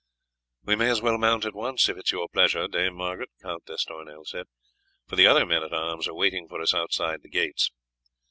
"We may as well mount at once, if it is your pleasure, Dame Margaret," Count d'Estournel said, "for the other men at arms are waiting for us outside the gates."